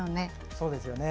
そうですよね。